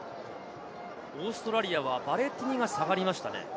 オーストラリアはヴァレティニが下がりましたね。